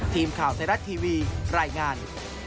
ทีมข่าวไทยรัฐทีวีรายงาน